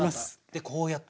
でこうやって。